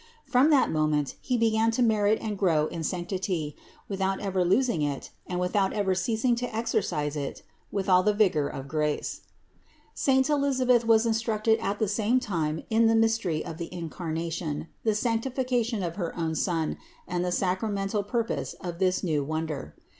From that moment he began to merit and grow in sanctity, without ever losing it and without ever ceasing to exer cise it with all the vigor of grace. 219. Saint Elisabeth was instructed at the same time in the mystery of the Incarnation, the sanctification of her own son and the sacramental purpose of this new wonder.